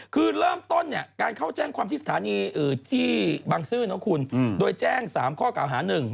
คือเริ่มต้นเนี่ยการเข้าแจ้งความทฤษฐานีที่บางซื่อเนาะคุณโดยแจ้งสามข้อกล่าวหาหนึ่ง